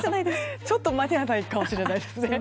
ちょっと間に合わないかもしれないですね。